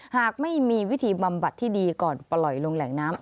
หากไม่มีวิธีบำบัดที่ดีก่อนปล่อยลงแหล่งน้ำ